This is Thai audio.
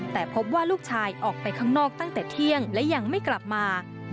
แต่พบว่าลูกชายออกไปข้างนอกตั้งแต่เที่ยงและยังไม่กลับมา